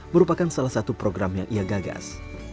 merupakan salah satu program yang ia gagas